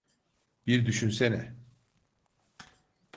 Bir düşünsene.